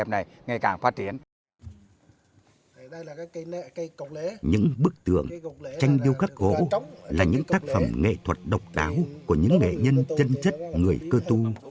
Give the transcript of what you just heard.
những bức tường tranh điêu khắc gỗ là những tác phẩm nghệ thuật độc đáo của những nghệ nhân chân chất người cơ tu